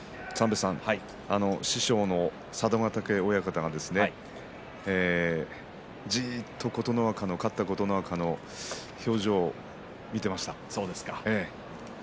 師匠の佐渡ヶ嶽親方がじっと勝った琴ノ若の表情を見ていました。